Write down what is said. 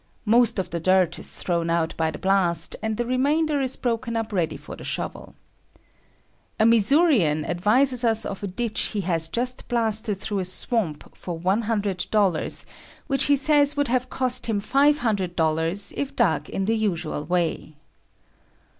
Most of the dirt is thrown out by the blast and the remainder is broken up ready for the shovel. A Missourian advises us of a ditch he has just blasted through a swamp for $100, which he says would have cost him $500 if dug in the usual way.